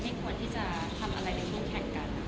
ไม่ควรที่จะทำอะไรด้วยผู้แข่งกันนะคะ